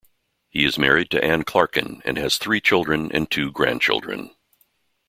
He is married to Anne Clarkin, and has three children, and two grandchildren.